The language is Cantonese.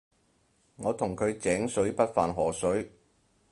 我同佢井水不犯河水